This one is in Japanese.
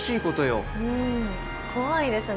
怖いですね。